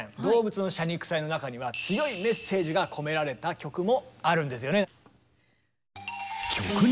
「動物の謝肉祭」の中には強いメッセージが込められた曲もあるんですよね。